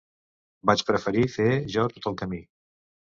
Vaig preferir fer jo tot el camí.